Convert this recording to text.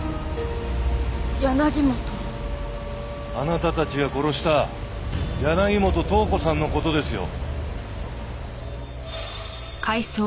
あなたたちが殺した柳本塔子さんの事ですよ。